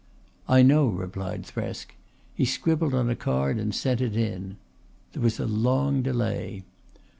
"I know," replied Thresk. He scribbled on a card and sent it in. There was a long delay.